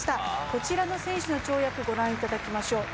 こちらの選手の跳躍を御覧いただきましょう。